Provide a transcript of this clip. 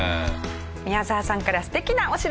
宮澤さんから素敵なお知らせです。